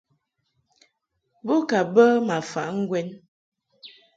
Bo ka bə ma faʼ ma ŋgwɛn.